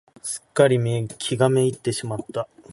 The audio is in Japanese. すっかり気が滅入ってしまった。